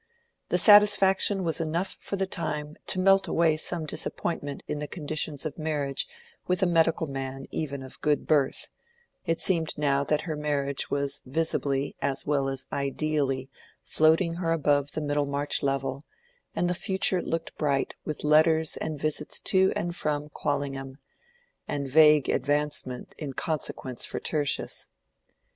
The satisfaction was enough for the time to melt away some disappointment in the conditions of marriage with a medical man even of good birth: it seemed now that her marriage was visibly as well as ideally floating her above the Middlemarch level, and the future looked bright with letters and visits to and from Quallingham, and vague advancement in consequence for Tertius.